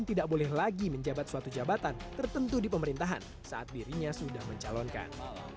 tidak boleh lagi menjabat suatu jabatan tertentu di pemerintahan saat dirinya sudah mencalonkan